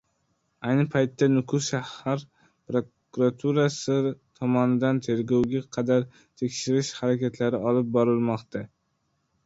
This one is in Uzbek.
Ayni paytda Nukus shahar prokuraturasi tomonidan tergovga qadar tekshirish harakatlari olib borilmoqda